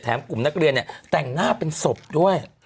กลุ่มนักเรียนเนี่ยแต่งหน้าเป็นศพด้วย